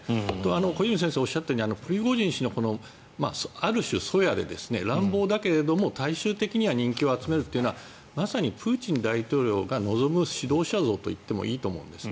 小泉先生がおっしゃったようにプリゴジン氏のある種、粗野で乱暴だけど、大衆的には人気を集めるというのはまさにプーチン大統領が望む指導者像といってもいいと思うんです。